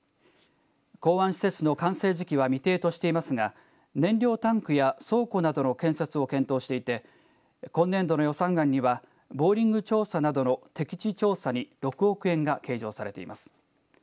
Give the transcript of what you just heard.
港湾施設の完成時期は未定としていますが燃料タンクや倉庫などの建設を検討していて今年度の予算案にはボーリング調査などの適地調査に６億円が計上されています。